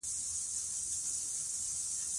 د بولان پټي د افغانستان د جغرافیې بېلګه ده.